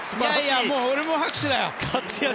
いや、俺も拍手だよ！